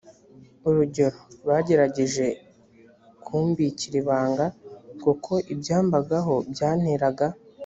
urugero bagerageje kumbikira ibanga kuko ibyambagaho byanteraga